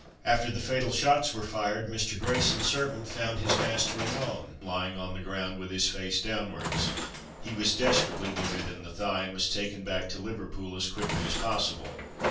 After the fatal shots were fired Mr. Grayson's servant found his master alone, lying on the ground with his face downwards. He was desperately wounded in the thigh, and was taken back to Liverpool as quickly as possible.